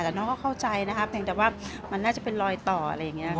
แต่น้องก็เข้าใจนะคะเพียงแต่ว่ามันน่าจะเป็นรอยต่ออะไรอย่างนี้ค่ะ